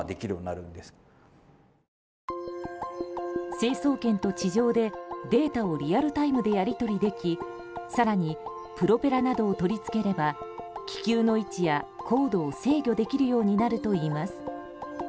成層圏と地上で、データをリアルタイムでやり取りでき更にプロペラなどを取り付ければ気球の位置や高度を制御できるようになるといいます。